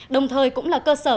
đồng thời cũng là cơ sở